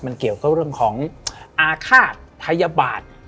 มันเกี่ยวกับเรื่องของอาฆาตพัยบาท